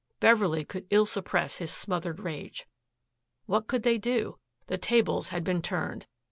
Beverley could ill suppress his smothered rage. What could they do? The tables had been turned.